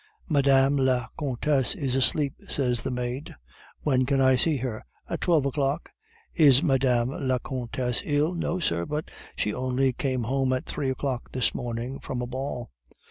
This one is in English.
"'"Madame la Comtesse is asleep," says the maid. "'"When can I see her?" "'"At twelve o'clock." "'"Is Madame la Comtesse ill?" "'"No, sir, but she only came home at three o'clock this morning from a ball."